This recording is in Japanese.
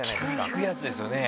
聞くやつですよね。